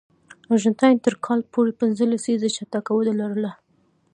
ارجنټاین تر کال پورې پنځه لسیزې چټکه وده لرله.